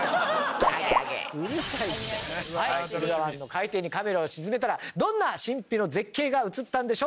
駿河湾の海底にカメラを沈めたらどんな神秘の絶景が映ったんでしょうか。